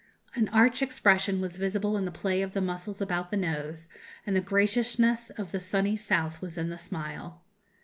An arch expression was visible in the play of the muscles about the nose, and the graciousness of the sunny South was in the smile.